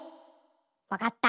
わかった。